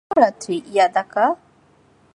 শুভরাত্রি, ইয়াদাকা।